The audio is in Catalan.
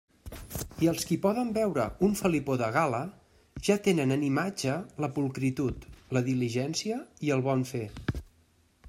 I els qui poden veure un felipó de gala, ja tenen en imatge la pulcritud, la diligència i el bon fer.